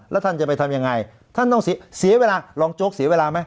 แล้วท่านจะไปทำยังไงท่านต้องเสียเวลารองโจ๊กเสียเวลาไหม